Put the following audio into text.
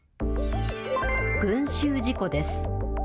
群集事故です。